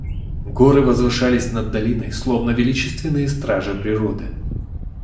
Горы возвышались над долиной, словно величественные стражи природы.